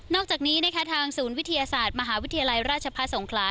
นอกจากนี้ทางศูนย์วิทยาศาสตร์มหาวิทยาลัยราชภาษภาษภ์สงคลา